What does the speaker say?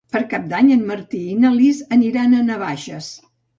Per Cap d'Any en Martí i na Lis aniran a Navaixes.